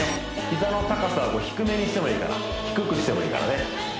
膝の高さを低めにしてもいいから低くしてもいいからね